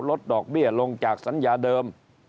ลดดอกเบี้ยลงจากสัญญาเดิม